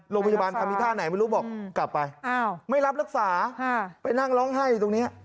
โรงพยาบาลทำอีกท่าไหนไม่รู้บอกกลับไปไม่รับรักษาไปนั่งร้องไห้อยู่ตรงนี้